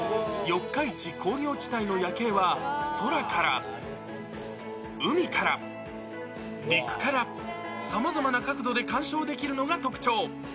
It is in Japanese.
四日市工業地帯の夜景は、空から、海から、陸から、さまざまな角度で観賞できるのが特徴。